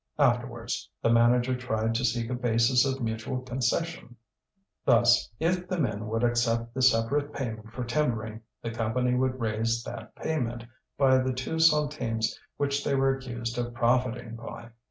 Afterwards the manager tried to seek a basis of mutual concession; thus, if the men would accept the separate payment for timbering, the Company would raise that payment by the two centimes which they were accused of profiting by.